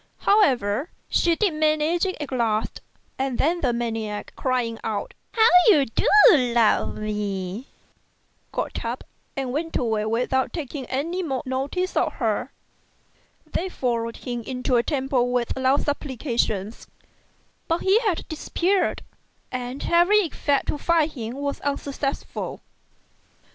However, she did manage it at last, and then the maniac crying out, " How you do love me !" got up and went away without taking any more notice of her. They followed him into a temple with loud supplications, but he had disappeared, and every effort to find him was unsuccessful.